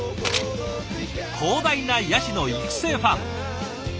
広大なヤシの育成ファーム。